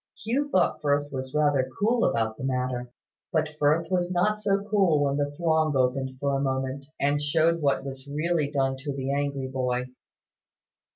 Hugh thought Firth was rather cool about the matter. But Firth was not so cool when the throng opened for a moment, and showed what was really done to the angry boy.